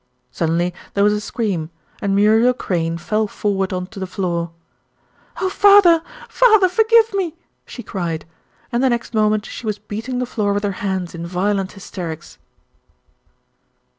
Suddenly there was a scream, and Muriel Crayne fell forward on to the floor. "Oh! father, father, forgive me!" she cried, and the next moment she was beating the floor with her hands in violent hysterics.